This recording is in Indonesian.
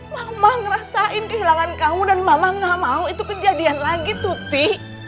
mama ngerasain kehilangan kamu dan mama gak mau itu kejadian lagi tuti